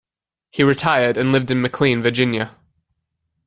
He retired and lived in McLean, Virginia.